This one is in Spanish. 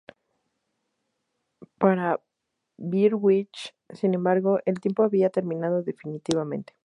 Para Berwick, sin embargo, el tiempo había terminado definitivamente.